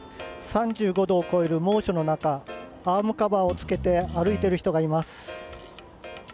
３５度を超える猛暑の中アームカバーを着けて歩いている人がいます。